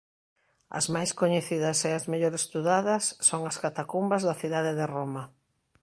As máis coñecidas e as mellor estudadas son as catacumbas da cidade de Roma.